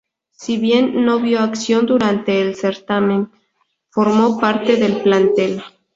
Si bien no vio acción durante el certamen, formó parte del plantel.